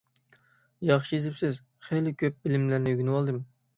ياخشى يېزىپسىز، خېلى كۆپ بىلىملەرنى ئۆگىنىۋالدىم.